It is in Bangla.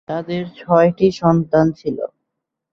তাদের ছয়টি সন্তান ছিল।